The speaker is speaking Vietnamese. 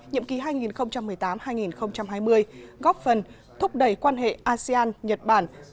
nhiệm kỳ hai nghìn một mươi tám hai nghìn hai mươi góp phần thúc đẩy quan hệ asean nhật bản